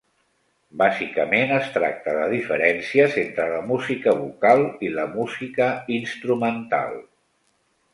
Bàsicament es tracta de diferències entre la música vocal i la música instrumental.